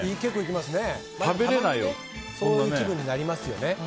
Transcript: たまにねそういう気分になりますよね。